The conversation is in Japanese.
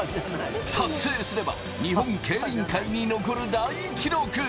達成すれば日本競輪界に残る大記録。